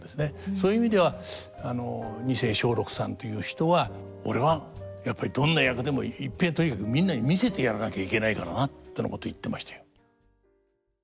そういう意味では二世松緑さんという人は「俺はやっぱりどんな役でもいっぺえとにかくみんなに見せてやらなきゃいけないからな」ってなこと言ってましたよ。